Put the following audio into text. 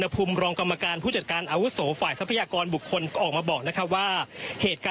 ผู้จัดการอาวุศโสเหรียร์ภายศพยากรบุคคลบอกว่า